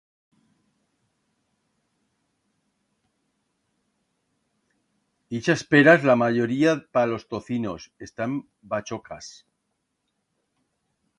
Ixas peras, la mayoría pa los tocinos, están bachocas.